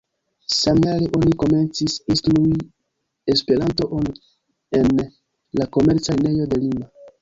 Samjare oni komencis instrui E-on en la Komerca lernejo de Lima.